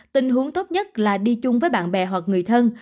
tình huống tốt nhất là đi chung với bạn bè hoặc người thân